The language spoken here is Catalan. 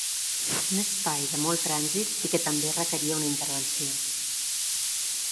Un espai de molt trànsit i que també requeria una intervenció.